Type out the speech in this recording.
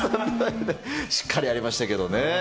しっかりやりましたけどね。